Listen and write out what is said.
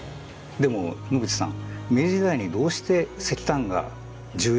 でも野口さんん。